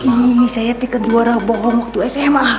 ih saya tiket juara bohong waktu sma